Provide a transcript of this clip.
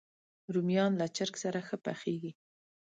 رومیان له چرګ سره ښه پخېږي